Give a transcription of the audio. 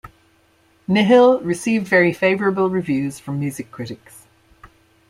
"Nihil" received very favorable reviews from music critics.